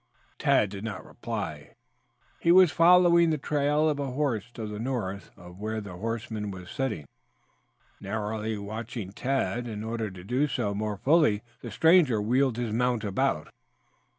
Tad did not reply. He was following the trail of a horse to the north of where the horseman was sitting, narrowly watching Tad. In order to do so more fully, the stranger wheeled his mount about.